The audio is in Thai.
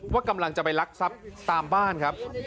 ว่ากำลังจะไปลักทรัพย์ตามบ้านครับ